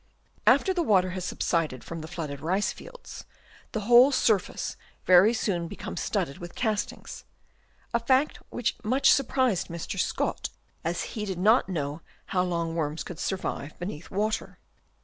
After the water has subsided from the flooded rice fields, the whole surface very soon becomes studded with castings — a fact which much surprised Mr, Scott, as he did not know how long worms could survive beneath water.